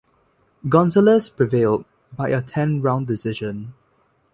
Gonzalez prevailed by a ten-round decision.